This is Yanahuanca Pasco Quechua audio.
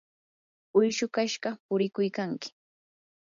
uyshu kashqa purikuykanki.